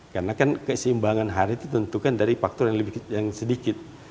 karena kan keseimbangan harga itu tentukan dari faktor yang sedikit